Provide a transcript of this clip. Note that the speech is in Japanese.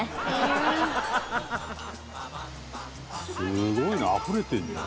「すごいなあふれてるじゃん」